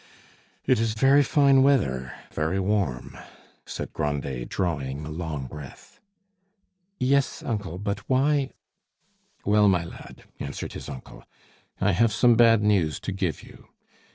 "It is very fine weather, very warm," said Grandet, drawing a long breath. "Yes, uncle; but why " "Well, my lad," answered his uncle, "I have some bad news to give you.